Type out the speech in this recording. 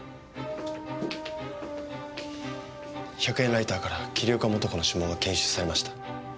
１００円ライターから桐岡素子の指紋が検出されました。